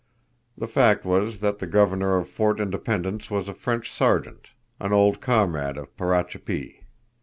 The fact was that the Governor of Fort Independence was a French sergeant, an old comrade of Parachapee.